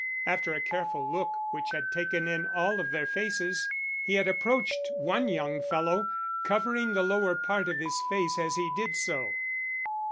After a careful look which had taken in all of their faces, he had approached one young fellow, covering the lower part of his face as he did so.